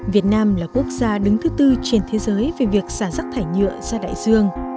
việt nam là quốc gia đứng thứ tư trên thế giới về việc xả rác thải nhựa ra đại dương